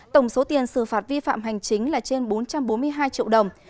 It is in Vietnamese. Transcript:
tổng số tiền xử phạt vi phạm hành chính là trên bốn trăm bốn mươi hai triệu đồng